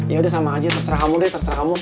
ya udah sama aja terserah kamu deh terserah kamu